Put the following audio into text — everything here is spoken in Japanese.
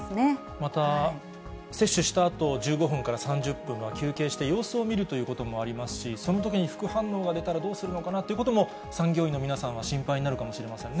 また、接種したあと、１５分から３０分は休憩して、様子を見るということもありますし、そのときに副反応が出たらどうするのかなということも、産業医の皆さんは心配になるかもしれませんね。